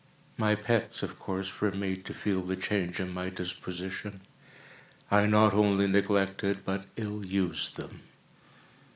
My pets, of course, were made to feel the change in my disposition. I not only neglected, but ill used them.